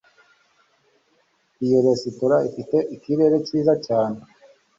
Iyo resitora ifite ikirere cyiza cyane.